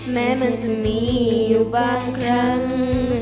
แม้มันจะมีอยู่บางครั้ง